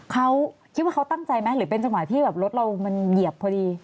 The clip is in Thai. เขาคิดว่าเขาตั้งใจไหมหรือเป็นจังหวะที่แบบรถเรามันเหยียบพอดี